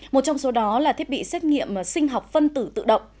một trong số đó là thiết bị xét nghiệm sinh học phân tử tự động